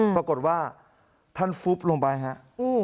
ปรากฏว่าท่านฟุบลงไปครับ